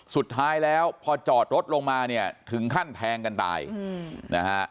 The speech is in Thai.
สุดท้ายแล้วพอจอดรถลงมาเนี่ยถึงขั้นแทงกันตายนะฮะ